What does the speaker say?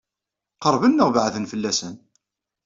Qeṛben neɣ beɛden fell-asen?